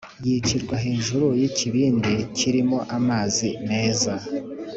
yicirwa hejuru y ikibindi kirimo amazi meza